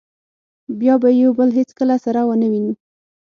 بیا به یو بل هېڅکله سره و نه وینو.